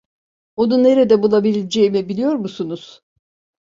Onu nerede bulabileceğimi biliyor musunuz?